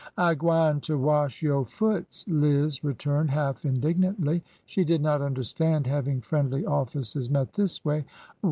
I gwineter wash yo' foots," Liz returned, half indig nantly. She did not understand having friendly offices met this way.